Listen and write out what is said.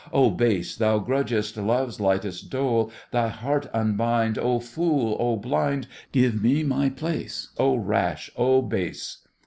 Oh base, that grudgest Love's lightest dole! Thy heart unbind, Oh fool, oh blind! Give me my place, Oh rash, oh base!